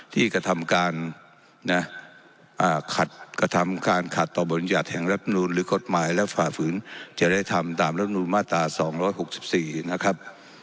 ที่กระทำการขัดต่อบริญญาณแห่งรัฐมนุษย์หรือกฎหมายและฝ่าฝืนจะได้ทำตามรัฐมนุษย์มาตรา๒๖๔นะครับ